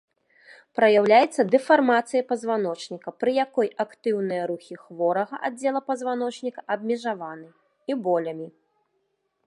Праяўляецца дэфармацыяй пазваночніка, пры якой актыўныя рухі хворага аддзела пазваночніка абмежаваны, і болямі.